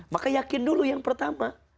maka yakin dulu yang pertama